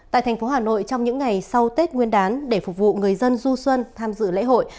tại thành phố hà nội trong những ngày sau tết nguyên đán để phục vụ người dân du xuân tham dự lễ hội